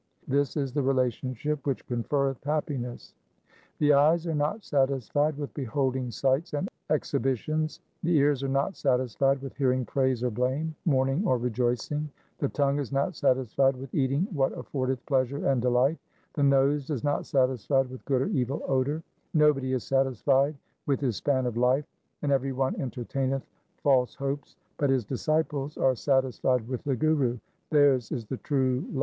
This is the relationship which conferreth happiness. 1 The eyes are not satisfied with beholding sights and exhibitions ; the ears are not satisfied with hearing praise or blame, mourning or rejoicing ; the tongue is not satisfied with eating what affordeth pleasure and delight ; the nose is not satisfied with good or evil odour ; nobody is satisfied with his span of life, and every one entertaineth false hopes ; but his disciples are satisfied with the Guru ; theirs is the true love.